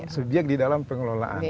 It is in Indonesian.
subyek di dalam pengelolaan